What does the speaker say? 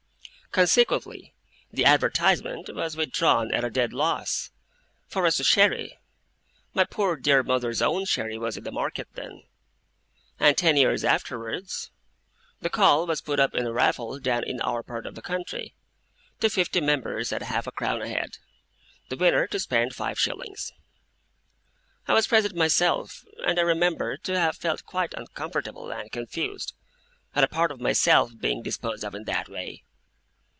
Consequently the advertisement was withdrawn at a dead loss for as to sherry, my poor dear mother's own sherry was in the market then and ten years afterwards, the caul was put up in a raffle down in our part of the country, to fifty members at half a crown a head, the winner to spend five shillings. I was present myself, and I remember to have felt quite uncomfortable and confused, at a part of myself being disposed of in that way.